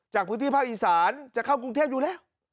จากพื้นที่ภาคอีสานจะเข้ากรุงเทพอยู่แล้ว